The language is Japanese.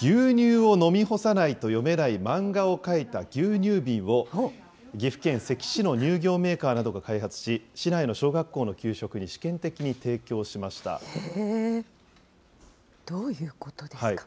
牛乳を飲み干さないと読めない漫画を描いた牛乳瓶を岐阜県関市の乳業メーカーなどが開発し、市内の小学校の給食に試験的に提どういうことですか。